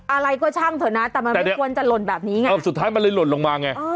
อะไรก็ช่างเถอะนะแต่มันไม่ควรจะหล่นแบบนี้ไงเออสุดท้ายมันเลยหล่นลงมาไง